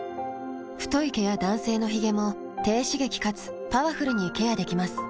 太い毛や男性のヒゲも低刺激かつパワフルにケアできます。